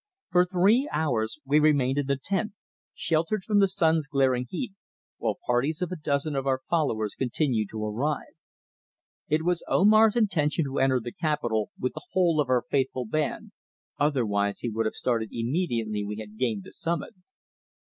For three hours we remained in the tent, sheltered from the sun's glaring heat, while parties of a dozen of our followers continued to arrive. It was Omar's intention to enter the capital with the whole of our faithful band, otherwise he would have started immediately we had gained the summit.